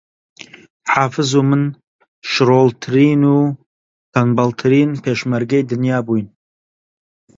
حافز و من شڕۆڵترین و تەنبەڵترین پێشمەرگەی دنیا بووین